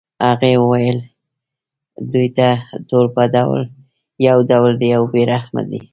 هغې ویل دوی ټول یو ډول دي او بې رحمه دي